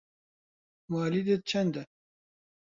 موالیدت چەندە؟